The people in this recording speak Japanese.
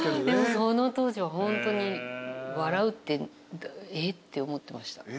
でもその当時はホントに笑うってえっ？って思ってました。